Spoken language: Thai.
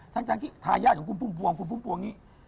ทั้งที่ทายาทของคุณพุ่มพวงคุณพุ่มพวงนี้